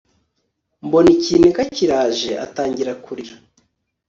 mbona ikiniga kiraje atangira kurira